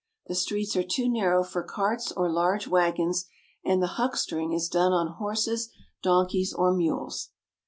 The streets are too narrow for carts or large wagons, and the huckstering is done on horses, donkeys, or mules.